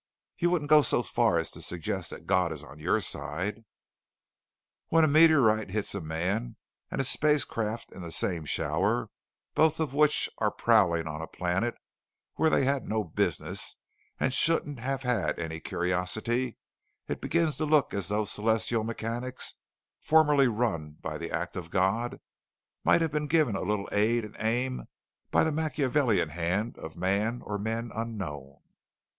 "You wouldn't go so far as to suggest that God is on your side?" "When a meteorite hits a man and a spacecraft in the same shower, both of which are prowling on a planet where they had no business and shouldn't have had any curiosity, it begins to look as though celestial mechanics, formerly run by the Act of God, might have been given a little aid and aim by the machiavellian hand of man or men unknown."